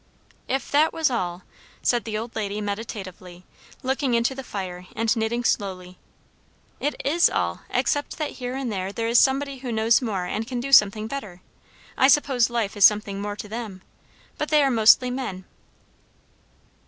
"If that was all" said the old lady meditatively, looking into the fire and knitting slowly. "It is all; except that here and there there is somebody who knows more and can do something better; I suppose life is something more to them. But they are mostly men."